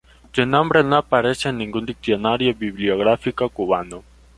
Su nombre no aparece en ningún diccionario bibliográfico cubano.